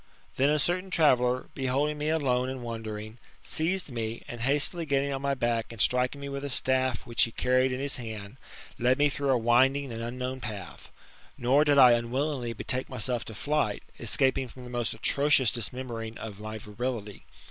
Then a certain traveller, beholding me alone and wandering, seized me, and hastily getting on my back, and striking me with a staff which he carried in his hand, led me through a winding and unknown path. Nor did I unwillingly betake myself to flight, escaping from the most atrocious dismembering of my virility.